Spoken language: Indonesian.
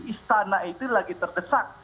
istana itu lagi terdesak